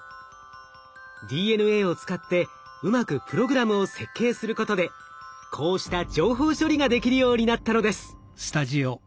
ＤＮＡを使ってうまくプログラムを設計することでこうした情報処理ができるようになったのです。